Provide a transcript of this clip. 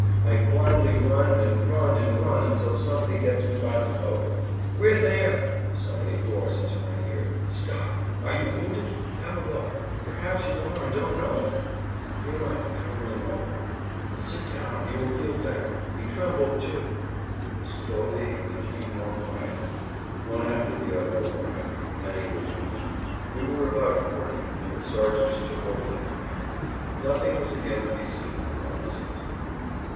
I blindly run and run and run, until somebody gets me by my coat. "We're there!" somebody roars into my ear. "Stop! Are you wounded? Have a look; perhaps you are and don't know it?" Here I am trembling all over. "Sit down; you will feel better; we trembled too." Slowly I became more quiet. One after the other arrived; many were wounded. We were about forty when the sergeants took over the command. Nothing was again to be seen of the officers.